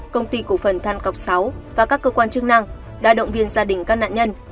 công ty cổ phần than cọc sáu và các cơ quan chức năng đã động viên gia đình các nạn nhân